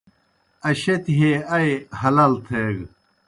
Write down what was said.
اشَتیْ ہے ائی حلال تھیگہ۔